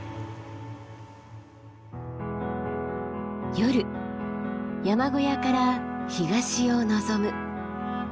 夜山小屋から東を望む。